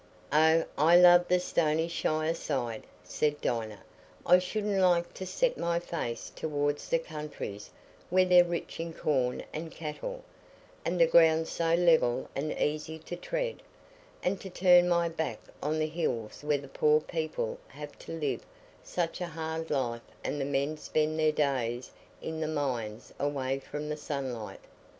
"Oh, I love the Stonyshire side," said Dinah; "I shouldn't like to set my face towards the countries where they're rich in corn and cattle, and the ground so level and easy to tread; and to turn my back on the hills where the poor people have to live such a hard life and the men spend their days in the mines away from the sunlight.